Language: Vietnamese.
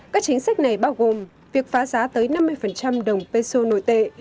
các chính sách này bao gồm việc phá giá tới năm mươi đồng peso nội tệ